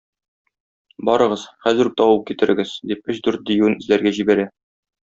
Барыгыз, - хәзер үк табып китерегез! - дип, өч-дүрт диюен эзләргә җибәрә.